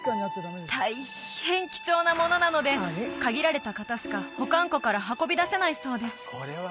大変貴重なものなので限られた方しか保管庫から運び出せないそうです